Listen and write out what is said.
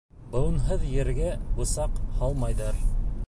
Быуынһыҙ ергә бысаҡ һалмайҙар.